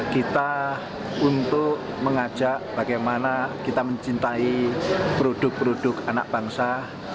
kita untuk mengajak bagaimana kita mencintai produk produk anak bangsa